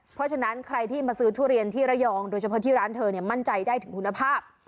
เพราะฉะนั้นใครที่มาซื้อทุเรียนที่ระยองโดยเฉพาะที่ร้านเธอเนี่ยมั่นใจได้ถึงคุณภาพ